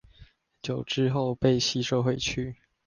久置後被吸收回去